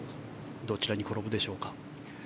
どちらに転ぶでしょうか。